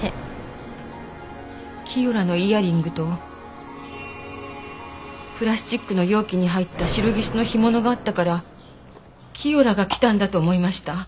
キヨラのイヤリングとプラスチックの容器に入ったシロギスの干物があったからキヨラが来たんだと思いました。